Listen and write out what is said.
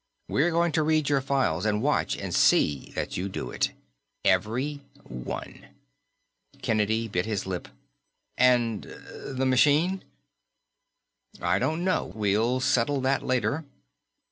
We're going to read your files, and watch and see that you do it. Every one." Kennedy bit his lip. "And the machine ?" "I don't know. We'll settle that later.